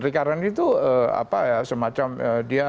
recurrent itu apa ya semacam dia